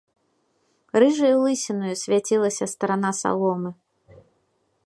Рыжаю лысінаю свяцілася старана саломы.